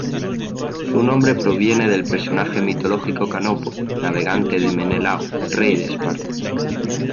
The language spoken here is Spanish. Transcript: Su nombre proviene del personaje mitológico Canopo, navegante de Menelao, rey de Esparta.